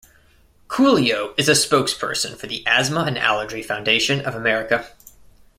Coolio is a spokesperson for the Asthma and Allergy Foundation of America.